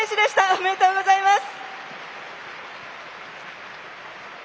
おめでとうございます。